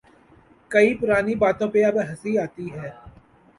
کئی پرانی باتوں پہ اب ہنسی آتی ہے۔